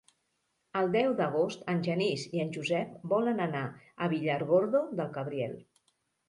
El deu d'agost en Genís i en Josep volen anar a Villargordo del Cabriel.